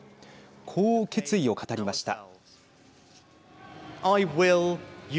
こう決意を語りました。